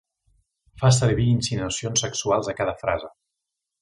Fa servir insinuacions sexuals a cada frase.